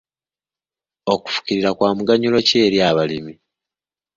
Okufukirira kwa muganyulo ki eri abalimi?